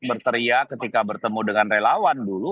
berteriak ketika bertemu dengan relawan dulu